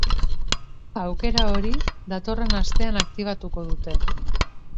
Aukera hori datorren astean aktibatuko dute.